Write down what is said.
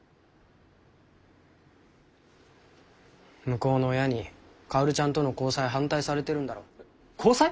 向こうの親に薫ちゃんとの交際反対されてるんだろ？交際？